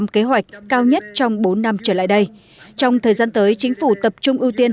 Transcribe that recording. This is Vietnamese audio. một mươi bảy bốn mươi sáu kế hoạch cao nhất trong bốn năm trở lại đây trong thời gian tới chính phủ tập trung ưu tiên